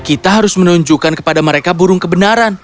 kita harus menunjukkan kepada mereka burung kebenaran